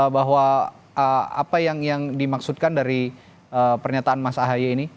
bahwa apa yang dimaksudkan dari pernyataan mas ahaye ini